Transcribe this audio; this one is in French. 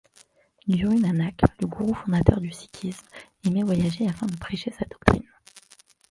Guru Nanak, le gourou fondateur du sikhisme, aimait voyager afin de prêcher sa doctrine.